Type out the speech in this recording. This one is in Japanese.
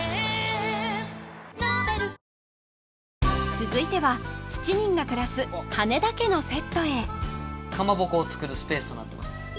続いては７人が暮らす羽田家のセットへかまぼこを作るスペースとなってます